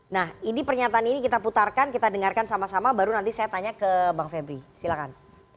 nah ini pernyataan ini kita putarkan kita dengarkan sama sama baru nanti saya tanya ke bang febri silakan